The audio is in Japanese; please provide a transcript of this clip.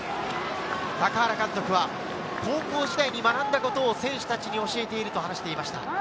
高原監督は高校時代に学んだことを選手たちに教えていると話していました。